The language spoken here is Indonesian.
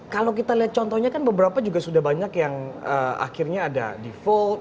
kalau kita lihat contohnya kan beberapa juga sudah banyak yang akhirnya ada di volt